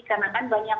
karena kan banyak